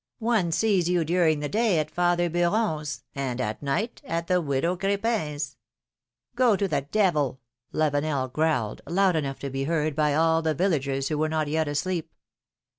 One sees you during the day at father Beuron's, and at night at the widow Crepin's !" Go to the devil !" Lavenel growled, loud enough to be heard by all the villagers who were not yet asleep.